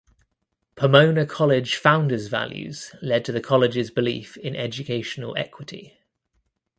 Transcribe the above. Pomona College founders’ values led to the college’s belief in educational equity.